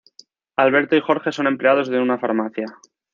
Alberto y Jorge son empleados de una farmacia.